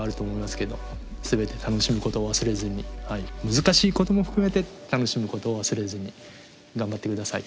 難しいことも含めて楽しむことを忘れずに頑張って下さい。